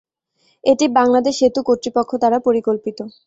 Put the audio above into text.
এটি বাংলাদেশ সেতু কর্তৃপক্ষ দ্বারা পরিকল্পিত।